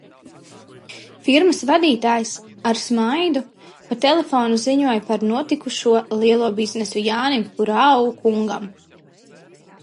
Firmas vadītājs, ar smaidu, pa telefonu ziņoja par notikušo lielo biznesu Jānim Kurau kungam.